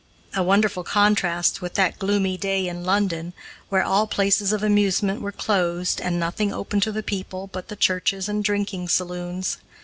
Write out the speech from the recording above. A wonderful contrast with that gloomy day in London, where all places of amusement were closed and nothing open to the people but the churches and drinking saloons.